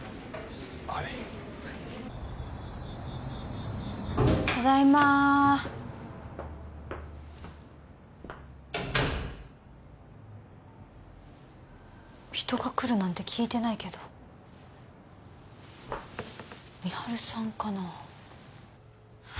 はいただいま人が来るなんて聞いてないけど美晴さんかな？